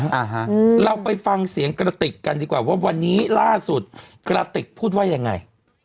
อ่าฮะเราไปฟังเสียงกระติกกันดีกว่าว่าวันนี้ล่าสุดกระติกพูดว่ายังไง